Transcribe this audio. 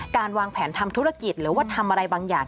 การวางแผนทำธุรกิจหรือว่าทำอะไรบางอย่าง